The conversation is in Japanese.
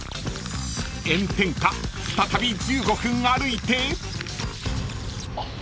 ［炎天下再び１５分歩いて］